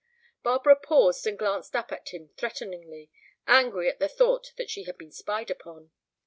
Barbara paused and glanced up at him threateningly, angry at the thought that she had been spied upon.